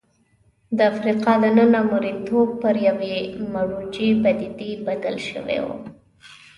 د افریقا دننه مریتوب پر یوې مروجې پدیدې بدل شوی و.